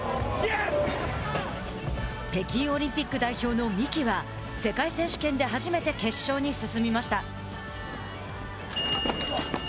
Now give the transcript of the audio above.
北京オリンピック代表の三木は世界選手権で初めて決勝に進みました。